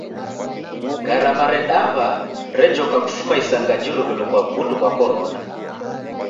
Garama redamba rejoka kufuma isanga jirughilo kwa w'undu ghwa korona.